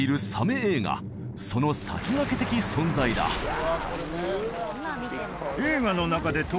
映画その先駆け的存在だえ！